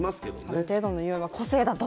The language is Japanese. ある程度のにおいは個性だと。